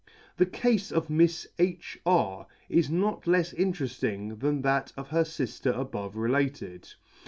The Cafe of Mifs H R is not lefs interefting than that of her Mer above related.